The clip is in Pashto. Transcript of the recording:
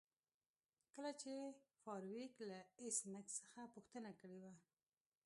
کله چې فارویک له ایس میکس څخه پوښتنه کړې وه